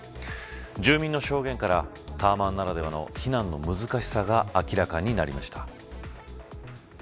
住民の証言からタワマンならではの避難の難しさが明らかになりました。